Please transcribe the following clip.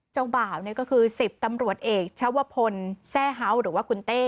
เจ้าบ่าวก็คือ๑๐ตำรวจเอกชาวพลแซ่เฮ้าหรือว่าคุณเต้